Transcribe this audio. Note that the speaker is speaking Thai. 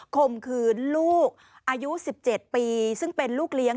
คมคืนลูกอายุ๑๗ปีซึ่งเป็นลูกเลี้ยง